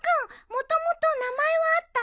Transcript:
もともと名前はあったの？